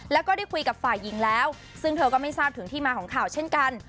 แล้วก็ได้คุยกับฝ่ายหญิงแล้วซึ่งเธอก็ไม่ทราบถึงที่มาของข่าวเช่นกัน